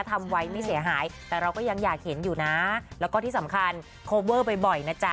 ทำไว้ไม่เสียหายแต่เราก็ยังอยากเห็นอยู่นะแล้วก็ที่สำคัญโคเวอร์บ่อยนะจ๊ะ